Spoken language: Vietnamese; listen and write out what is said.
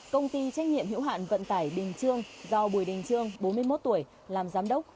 công ty trách nhiệm hiểu hạn vận tải đình trương do bùi đình trương bốn mươi một tuổi làm giám đốc